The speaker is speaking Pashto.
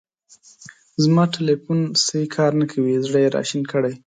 زما تیلیفون سیی کار نه کوی. زړه یې را شین کړی.